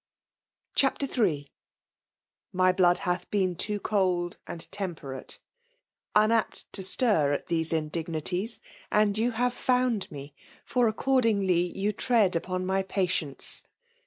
CHAPTER III. i My blood hath been too cold and temperatei Unapt to Htir at these indignities, • And you have found me; for accordingly You tread upon my patience.